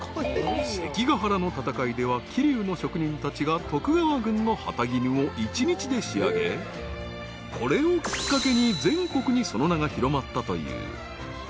［関ヶ原の戦いでは桐生の職人たちが徳川軍の旗絹を一日で仕上げこれをきっかけに全国にその名が広まったという］